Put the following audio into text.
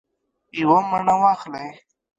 یوه مڼه واخلئ